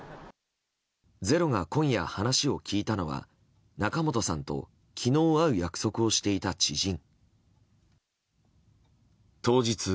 「ｚｅｒｏ」が今夜、話を聞いたのは仲本さんと昨日会う約束をしていた知人。